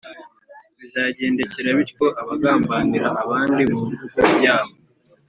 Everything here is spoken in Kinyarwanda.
Bizagendekera bityo abagambanira abandi mu mvugo yabo,